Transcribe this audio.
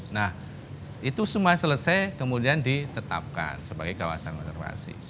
nah itu semua selesai kemudian ditetapkan sebagai kawasan observasi